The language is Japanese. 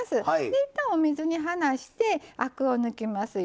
いったん、お水にはなしてアクを抜きますよ。